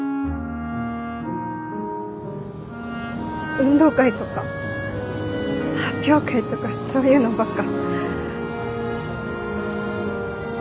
運動会とか発表会とかそういうのばっか。